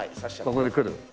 ここで来る。